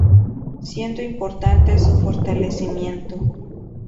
Siendo importante su fortalecimiento.